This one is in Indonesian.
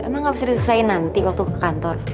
emang gak bisa diselesain nanti waktu ke kantor